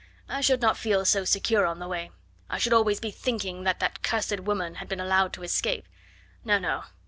I should not feel so secure on the way.... I should always be thinking that that cursed woman had been allowed to escape.... No! no!